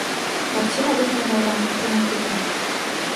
Карціна выканана ў рамках рамантызму.